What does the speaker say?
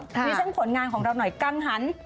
ดิฉันผลงานของเราหน่อยกังหัน